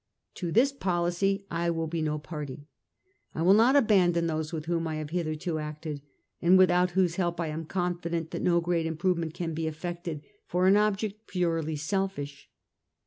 To this policy I will be no party. I will not abandon those with whom I have hitherto acted, and without whose help I am confident that no great improvement can be effected, for an object purely selfish.